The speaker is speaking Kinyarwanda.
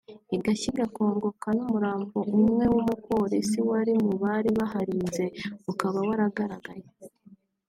igashya igakongoka n’umurambo umwe w’umupolisi wari mu bari baharinze ukaba waragaragaye